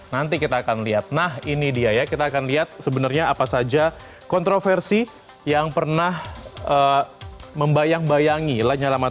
nanti kita akan lihat nah ini dia ya kita akan lihat sebenarnya apa saja kontroversi yang pernah membayang bayangi lanyala mata